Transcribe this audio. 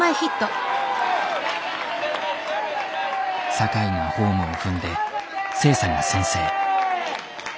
酒井がホームを踏んで星槎が先制。